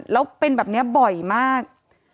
แล้วเป็นแบบนี้บ่อยมาก